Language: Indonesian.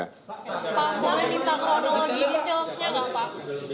pak boleh minta kronologi di telusnya pak